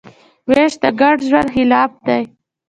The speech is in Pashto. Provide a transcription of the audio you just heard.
وېش د ګډ ژوند خلاف دی.